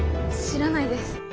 知らないです。